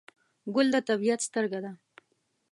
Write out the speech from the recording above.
ګل د طبیعت سترګه ده.